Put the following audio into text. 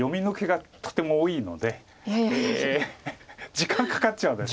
時間かかっちゃうんです。